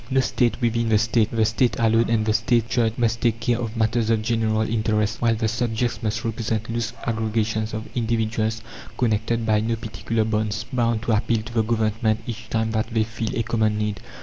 "No state within the State!" The State alone, and the State's Church, must take care of matters of general interest, while the subjects must represent loose aggregations of individuals, connected by no particular bonds, bound to appeal to the Government each time that they feel a common need.